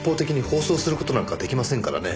一方的に放送する事なんか出来ませんからね。